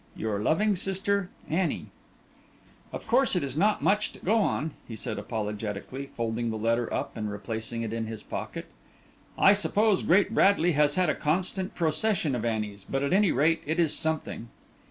"Your loving sister, "ANNIE." "Of course, it is not much to go on," he said apologetically, folding the letter up and replacing it in his pocket. "I suppose Great Bradley has had a constant procession of Annies, but at any rate it is something."